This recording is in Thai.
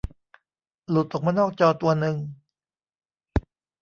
หลุดออกมานอกจอตัวนึง